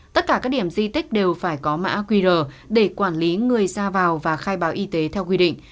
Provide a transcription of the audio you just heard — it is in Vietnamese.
tất cả các điểm di tích đều phải có mã qr để quản lý người ra vào và khai báo y tế theo quy định